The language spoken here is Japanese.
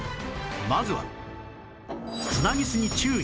まずは